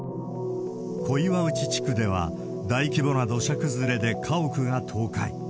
小岩内地区では、大規模な土砂崩れで家屋が倒壊。